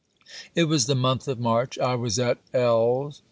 It was the month of March; I was at L